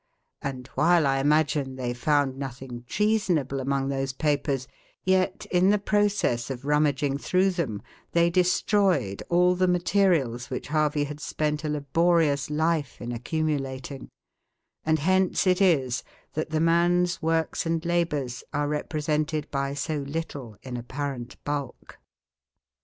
And while I imagine they found nothing treasonable among those papers, yet, in the process of rummaging through them, they destroyed all the materials which Harvey had spent a laborious life in accumulating; and hence it is that the man's work and labours are represented by so little in apparent bulk.